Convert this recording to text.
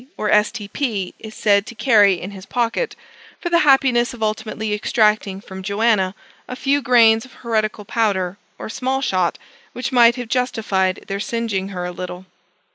or S.T.P. is said to carry in his pocket,) for the happiness of ultimately extracting from Joanna a few grains of heretical powder or small shot, which might have justified their singeing her a little.